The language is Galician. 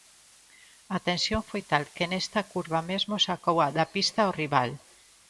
A tensión foi tal que nesta curva mesmo sacou da pista o rival.